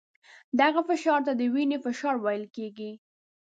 دغه فشار ته د وینې فشار ویل کېږي.